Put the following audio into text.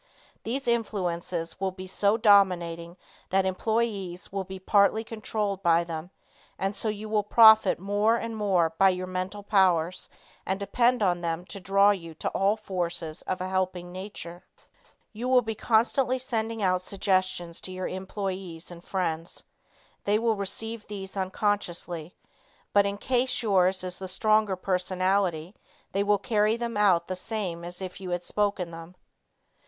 These influences will be so dominating that employees will be partly controlled by them and so you will profit more and more by your mental powers and depend on them to draw to you all forces of a helpful nature. You will be constantly sending out suggestions to your employees and friends. They will receive these unconsciously, but in case yours is the stronger personality they will carry them out the same as if you had spoken them.